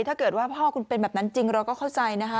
ถ้าเกิดว่าพ่อคุณเป็นแบบนั้นจริงเราก็เข้าใจนะคะ